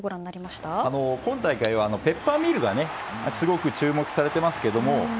今大会は、ペッパーミルがすごく注目されてますけれども。